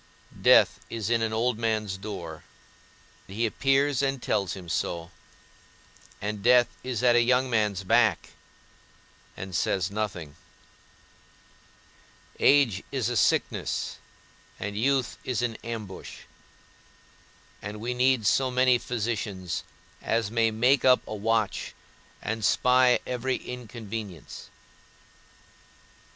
Death is in an old man's door, he appears and tells him so, and death is at a young man's back, and says nothing; age is a sickness, and youth is an ambush; and we need so many physicians as may make up a watch, and spy every inconvenience.